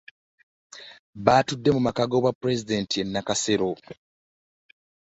Baatudde mu maka g'obwa pulezidenti e Nakasero